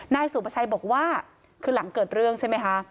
นายสุประชัยบอกว่าคือหลังเกิดเรื่องใช่ไหมคะ